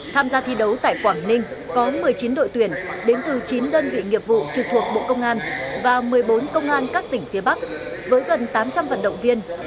tham gia thi đấu tại quảng ninh có một mươi chín đội tuyển đến từ chín đơn vị nghiệp vụ trực thuộc bộ công an và một mươi bốn công an các tỉnh phía bắc với gần tám trăm linh vận động viên